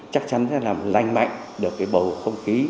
chắc chắn sẽ làm lành mạnh được cái bầu không khí